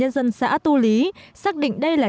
xã tu lý